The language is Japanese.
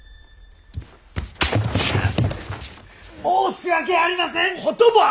申し訳ありません！